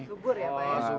subur ya pak